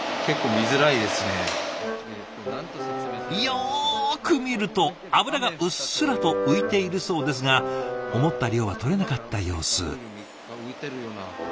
よく見ると油がうっすらと浮いているそうですが思った量はとれなかった様子。